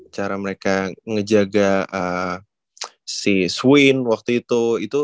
cara mereka ngejaga si swine waktu itu